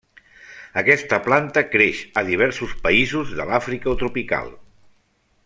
Aquesta planta creix a diversos països de l'Àfrica tropical.